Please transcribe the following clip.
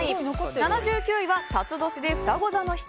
７９位は辰年でふたご座の人。